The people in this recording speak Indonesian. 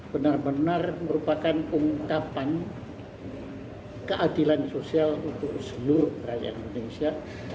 benar benar merupakan ungkapan keadilan sosial untuk seluruh rakyat indonesia